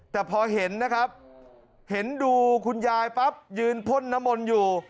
แต่พอเห็นนะครับเห็นดูคุณยายปั๊บยืนพ่นน้ำมนต์อยู่